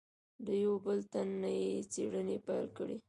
له یوه بل تن نه یې څېړنې پیل کړې.